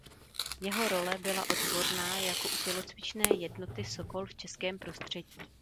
Jeho role byla obdobná jako u tělocvičné jednoty Sokol v českém prostředí.